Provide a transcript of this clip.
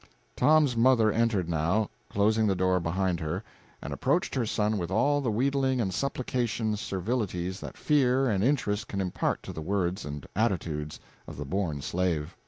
Tom's mother entered now, closing the door behind her, and approached her son with all the wheedling and supplicating servilities that fear and interest can impart to the words and attitudes of the born slave.